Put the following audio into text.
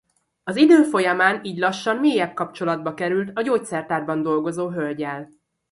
Az idő folyamán így lassan mélyebb kapcsolatba került a gyógyszertárban dolgozó hölggyel.